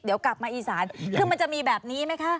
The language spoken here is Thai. เดี๋ยวกลับมาอีสานคือมันจะมีแบบนี้ไหมคะ